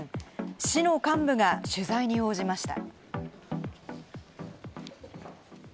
市の幹部が取材に応じました。